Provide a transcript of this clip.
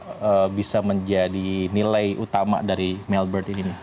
apa lagi fitur lain yang bisa menjadi nilai utama dari mailbird ini